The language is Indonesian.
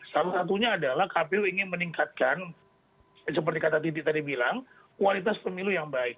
salah satunya adalah kpu ingin meningkatkan seperti kata titi tadi bilang kualitas pemilu yang baik